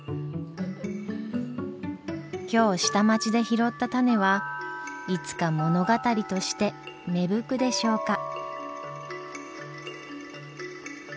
今日下町で拾った種はいつか物語として芽吹くでしょうか。